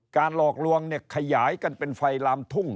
หลอกลวงเนี่ยขยายกันเป็นไฟลามทุ่ง